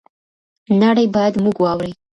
نړۍ بايد موږ واوري.